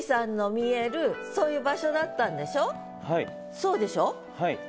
そうでしょ？